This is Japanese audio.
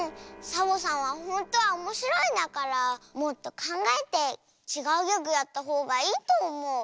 サボさんはほんとはおもしろいんだからもっとかんがえてちがうギャグやったほうがいいとおもう。